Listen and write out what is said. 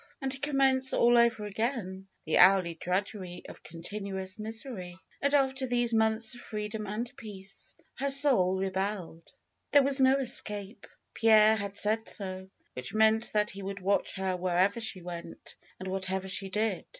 And to commence all over again the hourly drudgery of continuous misery ! And after these months of freedom and peace! Her soul re belled. There was no escape. Pierre had said so, which meant that he would watch her wherever she went, and whatever she did.